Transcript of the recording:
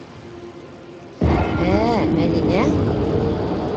Ә-ә, Мәҙинә!